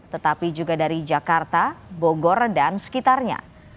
tetapi juga dari jakarta bogor dan sekitarnya